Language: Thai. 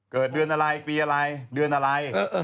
เกิดเดือนอะไรปีอะไรเดือนอะไร